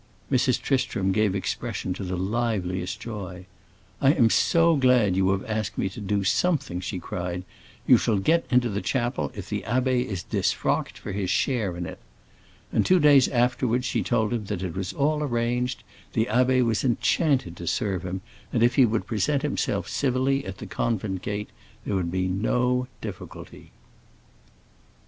Mrs. Tristram gave expression to the liveliest joy. "I am so glad you have asked me to do something!" she cried. "You shall get into the chapel if the abbé is disfrocked for his share in it." And two days afterwards she told him that it was all arranged; the abbé was enchanted to serve him, and if he would present himself civilly at the convent gate there would be no difficulty.